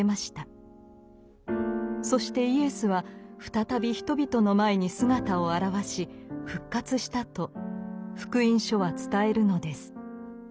そしてイエスは再び人々の前に姿を現し復活したと「福音書」は伝えるのです。